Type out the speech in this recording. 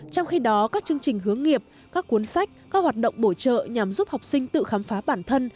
trong khi đó các chương trình hướng nghiệp các cuốn sách các hoạt động bổ trợ nhằm giúp học sinh tự khám phá bản thân